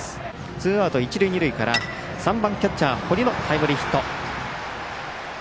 ツーアウト、一塁二塁からキャッチャー堀のタイムリーヒット。